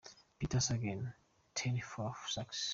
Peter Sagan - Tinkoff - Saxo.